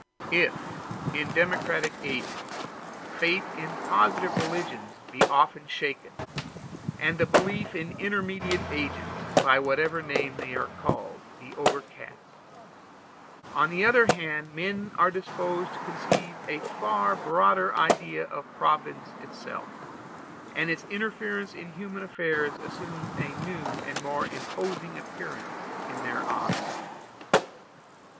If in democratic ages faith in positive religions be often shaken, and the belief in intermediate agents, by whatever name they are called, be overcast; on the other hand men are disposed to conceive a far broader idea of Providence itself, and its interference in human affairs assumes a new and more imposing appearance to their eyes.